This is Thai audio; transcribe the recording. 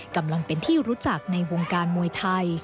กำลังเป็นที่รู้จักในวงการมวยไทย